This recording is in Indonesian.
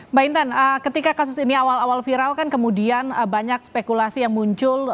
mbak intan ketika kasus ini awal awal viral kan kemudian banyak spekulasi yang muncul